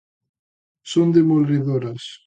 ¡Son demoledoras!